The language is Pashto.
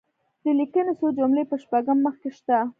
د لیکني څو جملې په شپږم مخ کې شته.